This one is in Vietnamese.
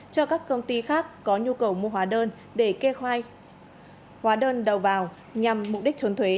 cho các công ty khác có nhu cầu mua hóa đơn để kê khoai hóa đơn đầu vào nhằm mục đích trốn thuế